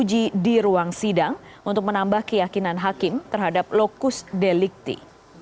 uji di ruang sidang untuk menambah keyakinan hakim terhadap lokus delikti